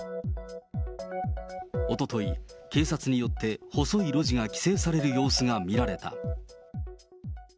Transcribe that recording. おととい、警察によって細い路地が規制される様子が見られた。